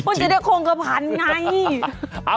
มันจะได้โครงกระพันธ์ไง